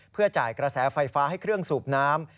เพื่อจ่ายกระแสไฟฟ้าให้เครื่องสูบน้ำ